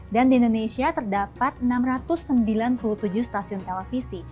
dan di indonesia terdapat enam ratus sembilan puluh tujuh stasiun televisi